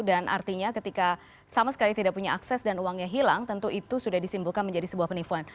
dan artinya ketika sama sekali tidak punya akses dan uangnya hilang tentu itu sudah disimbulkan menjadi sebuah penipuan